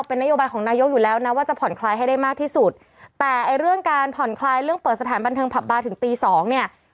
เป็นนโยบายของนายกอยู่แล้วนะว่าจะผ่อนคลายให้ได้มากที่สุดแต่ไอ้เรื่องการผ่อนคลายเรื่องเปิดสถานบันเทิงผับบาร์ถึงตีสองเนี่ย